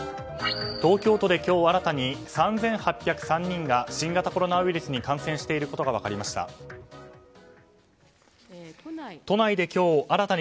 東京都で今日新たに３８０３人が新型コロナウイルスに感染していることが分かりました。